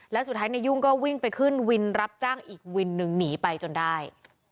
แล้วสุดท้ายนายยุ่งก็วิ่งไปขึ้นวินรับจ้างอีกวินหนึ่งหนีไปจนได้